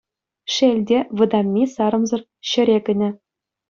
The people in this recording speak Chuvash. Шел те, вӑтамми сарӑмсӑр ҫӗре кӗнӗ.